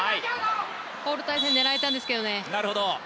ホール、狙えたんですけどね